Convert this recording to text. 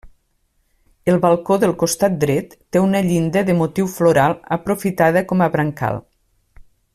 El balcó del costat dret té una llinda de motiu floral aprofitada com a brancal.